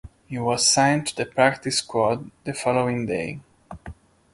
He was signed to the practice squad the following day.